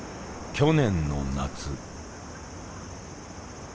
去年の夏。